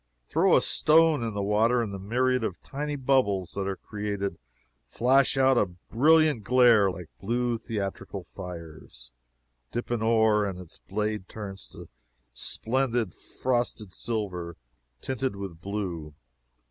Throw a stone into the water, and the myriad of tiny bubbles that are created flash out a brilliant glare like blue theatrical fires. Dip an oar, and its blade turns to splendid frosted silver, tinted with blue.